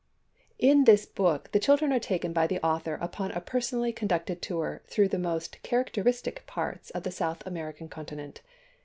^i^ In this book the children are taken by the author upon a personally conducted tour through the most character istic parts of the South American continent.